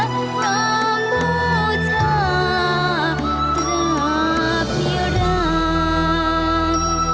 ความกุษาตราบเดี๋ยวร้าน